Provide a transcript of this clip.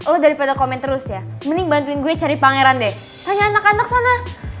lo daripada komen terus ya mending bantuin gue cari pangeran deh hanya anak anak sana